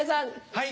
はい。